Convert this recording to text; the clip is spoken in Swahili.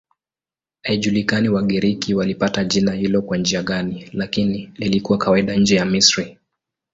Haijulikani Wagiriki walipata jina hilo kwa njia gani, lakini lilikuwa kawaida nje ya Misri.